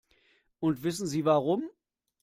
Und wissen Sie warum?